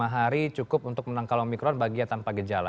lima hari cukup untuk menangkal omikron bagian tanpa gejala